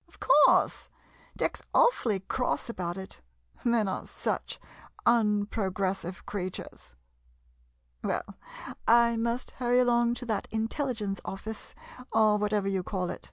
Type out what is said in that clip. ... Of course, Dick's awfully cross about it— men are such unprogressive creatures. Well— I must hurry along to that Intelligence Office, or whatever you call it.